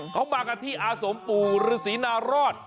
เขามากันที่อาสมปู่ฤษีนารอด